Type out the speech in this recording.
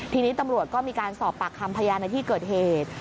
ทีนี้ตำรวจก็มีการสอบปากคำพยานในที่เกิดเหตุ